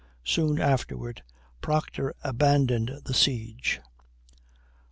Soon afterward Proctor abandoned the siege.